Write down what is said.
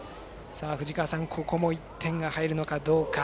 ここも１点が入るのかどうか。